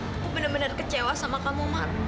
aku bener bener kecewa sama kamu mar